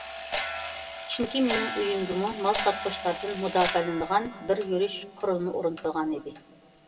چۈنكى، مېنىڭ ئۆيۈمگىمۇ مال ساتقۇچىلاردىن مۇداپىئەلىنىدىغان بىر يۈرۈش قۇرۇلما ئورنىتىلغانىدى.